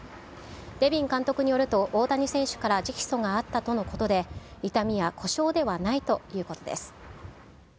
ネビン監督によると大谷選手から直訴があったとのことで、痛みや故障ではないということです。